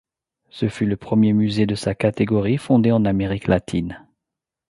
Ce fut le premier musée de sa catégorie fondé en Amérique latine.